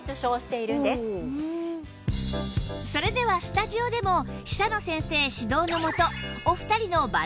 それではスタジオでも久野先生指導のもと